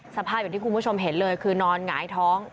สภาพอย่างที่คุณผู้ชมเห็นเลยคือนอนหงายท้อง